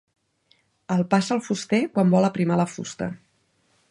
El passa el fuster quan vol aprimar la fusta.